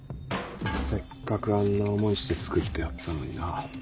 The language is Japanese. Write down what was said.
せっかくあんな思いして救ってやったのにな。